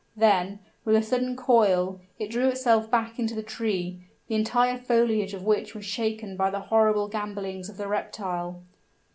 Then, with a sudden coil, it drew itself back into the tree, the entire foliage of which was shaken with the horrible gambolings of the reptile.